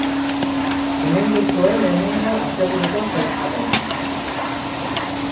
Hemen duzue lehenengo asteburuko sailkapena.